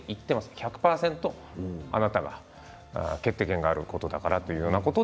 １００％あなたが決定権があることだからって。